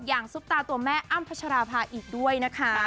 ซุปตาตัวแม่อ้ำพัชราภาอีกด้วยนะคะ